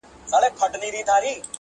په خامه خوله پخه وعده ستایمه،